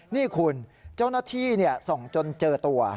นี่คุณเจ้าหน้าที่ส่องจนเจอตัว